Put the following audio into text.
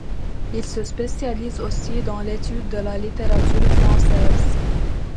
Il se spécialise aussi dans l'étude de la littérature française.